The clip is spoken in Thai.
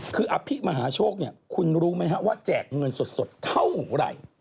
คือพี่มหาโชคคุณรู้ไหมฮะว่าแจกเงินสดเท่าไหน